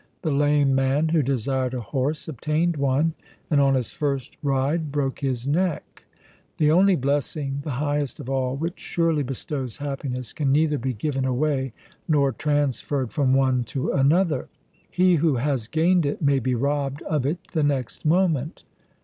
"The lame man, who desired a horse, obtained one, and on his first ride broke his neck. The only blessing the highest of all which surely bestows happiness can neither be given away nor transferred from one to another. He who has gained it may be robbed of it the next moment."